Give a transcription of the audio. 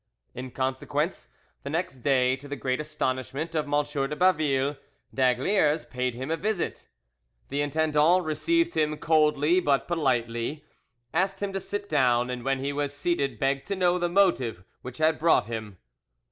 In consequence, the next day, to the great astonishment of M. de Baville, d'Aygaliers paid him a visit. The intendant received him coldly but politely, asked him to sit down, and when he was seated begged to know the motive which had brought him.